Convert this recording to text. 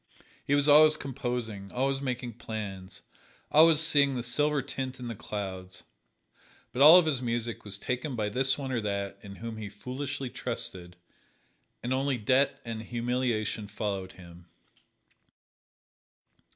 He was always composing, always making plans, always seeing the silver tint in the clouds, but all of his music was taken by this one or that in whom he foolishly trusted, and only debt and humiliation followed him.